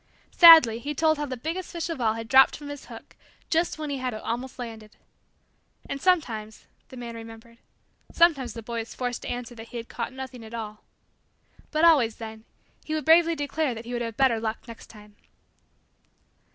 Sadly, he told how the biggest fish of all had dropped from his hook just when he had it almost landed. And sometimes the man remembered sometimes the boy was forced to answer that he had caught nothing at all. But always, then, would he bravely declare that he would have better luck next time.